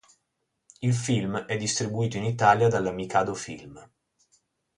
Il film è distribuito in Italia dalla Mikado Film.